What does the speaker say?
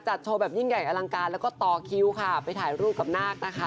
โชว์แบบยิ่งใหญ่อลังการแล้วก็ต่อคิวค่ะไปถ่ายรูปกับนาคนะคะ